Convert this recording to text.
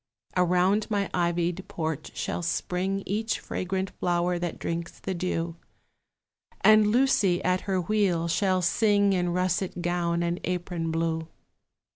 Around my ivied porch shall spring Each fragrant flower that drinks the dew; And Lucy at her wheel shall sing In russet gown and apron blue.